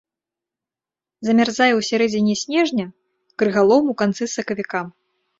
Замярзае ў сярэдзіне снежня, крыгалом у канцы сакавіка.